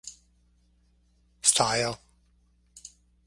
Style.